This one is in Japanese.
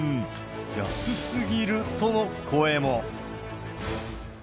安すぎるとの声も。